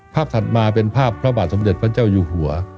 ถัดมาเป็นภาพพระบาทสมเด็จพระเจ้าอยู่หัว